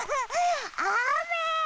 あめ！